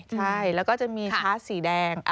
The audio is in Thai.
ใช่แล้วก็จะมีชาร์จสีแดง